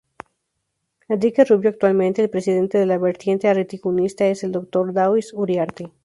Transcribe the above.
Enrique Rubio, actualmente el Presidente de la Vertiente Artiguista es el Dr. Daoiz Uriarte.